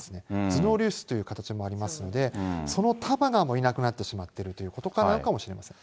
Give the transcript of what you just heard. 頭脳流出という形もありますので、その束がいなくなってしまっているということなのかもしれません。